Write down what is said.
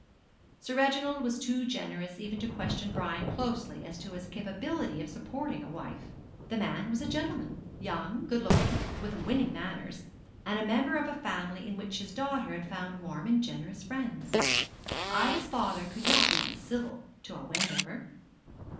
Sir Reginald was too generous even to question Brian closely as to his capability of supporting a wife. The man was a gentleman young, good looking, with winning manners, and a member of a family in which his daughter had found warm and generous friends. Ida's father could not be uncivil to a Wendover.